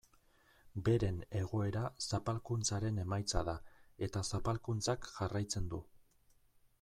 Beren egoera zapalkuntzaren emaitza da eta zapalkuntzak jarraitzen du.